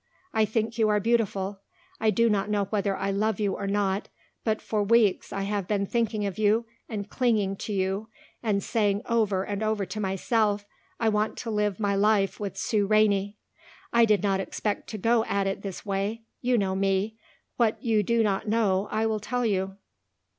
I think you are beautiful. I do not know whether I love you or not, but for weeks I have been thinking of you and clinging to you and saying over and over to myself, 'I want to live my life with Sue Rainey.' I did not expect to go at it this way. You know me. What you do not know I will tell you."